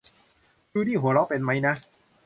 จูดี้หัวเราะเป็นมั้ยนะ